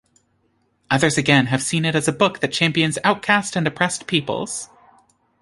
Others again have seen it as a book that champions outcast and oppressed peoples.